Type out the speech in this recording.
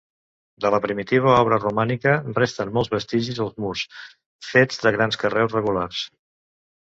De la primitiva obra romànica resten molts vestigis als murs, fets de grans carreus regulars.